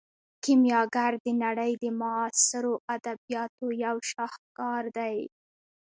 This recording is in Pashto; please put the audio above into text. کیمیاګر د نړۍ د معاصرو ادبیاتو یو شاهکار دی.